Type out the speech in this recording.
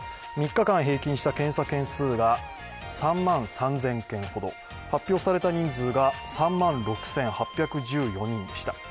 ３日間平均した検査件数が３万３０００件ほど発表された人数が３万６８１４人でした。